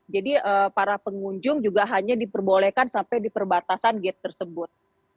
jadi para pengunjung juga hanya diperbolehkan sampai di perbatasan gate tersebut